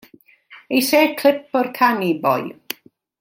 Eisiau clip o'r canu, boi.